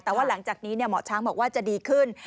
แต่ว่าหลังจากนี้หมอช้างบอกว่าจะดีขึ้น